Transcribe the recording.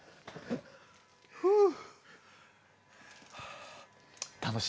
ふう。